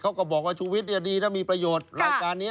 เขาก็บอกว่าชุวิตดีถ้ามีประโยชน์รายการนี้